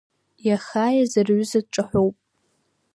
Иахааиз рҩыза дҿаҳәоп.